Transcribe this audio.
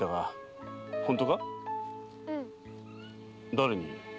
誰に？